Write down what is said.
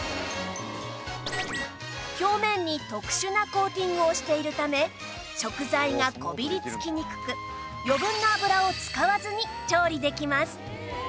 表面に特殊なコーティングをしているため食材がこびり付きにくく余分な油を使わずに調理できます